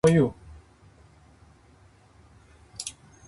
ディズニーランドは千葉にある。東京ではない。